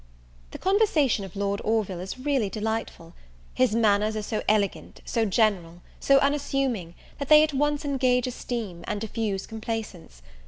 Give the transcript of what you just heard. The conversation of Lord Orville is really delightful. His manners are so elegant, so gentle, so unassuming, that they at once engage esteem, and diffuse complacence.